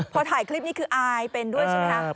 พอถ่ายคลิปนี้คืออายเป็นด้วยใช่ไหมคะ